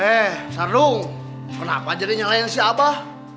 eh sardung kenapa jadi nyalahin si abah